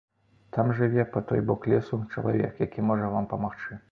Там жыве, па той бок лесу, чалавек, які можа вам памагчы.